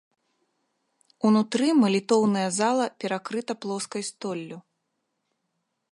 Унутры малітоўная зала перакрыта плоскай столлю.